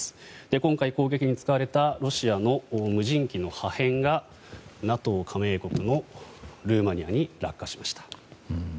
今回、攻撃に使われたロシアの無人機の破片がＮＡＴＯ加盟国のルーマニアに落下しました。